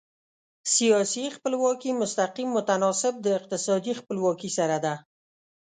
سیاسي خپلواکي مستقیم متناسب د اقتصادي خپلواکي سره ده.